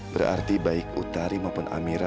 berarti baik utari maupun amira